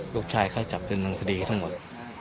ลูกชายเขาจะจับจนตรงทดีทั้งหมด